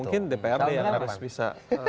mungkin dprd yang harus bisa